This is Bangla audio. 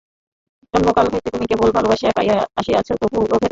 জন্মকাল হইতে তুমি কেবল ভালোবাসাই পাইয়া আসিতেছ, তবু তোমার লোভের অন্ত নাই।